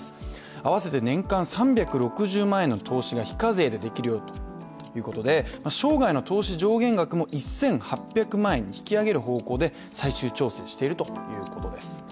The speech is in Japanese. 合わせて年間３６０万円の投資が非課税でできるよということで生涯の投資上限額も１８００万円に引き上げる方向で最終調整しているということです。